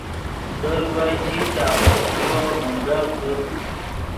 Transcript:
در وئے چی چاغوت پیرو ڤیم گپ دے